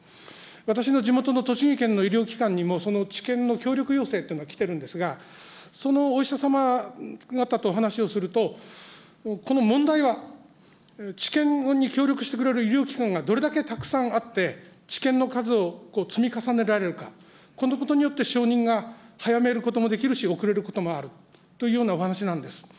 私の地元の栃木県の医療機関にもその治験の協力要請というのが来てるんですが、そのお医者様方とお話をすると、この問題は、治験に協力してくれる医療機関がどれだけたくさんあって、治験の数を積み重ねられるか、このことによって承認が早めることもできるし、遅れることもあるというようなお話なんです。